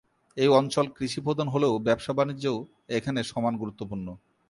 এই অঞ্চল কৃষিপ্রধান হলেও ব্যবসা-বাণিজ্যও এখানে সমান গুরুত্বপূর্ণ।